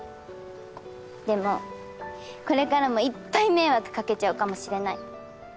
でもこれからもいっぱい迷惑かけちゃうかもしれない。